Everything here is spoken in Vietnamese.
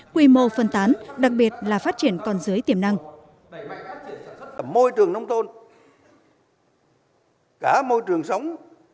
quy mô phân tán đặc biệt là phát triển còn dưới tiềm năng